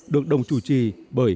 được đồng chủ trì bởi